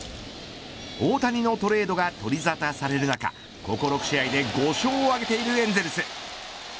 大谷のトレードが取りざたされる中ここ６試合で５勝を挙げているエンゼルス。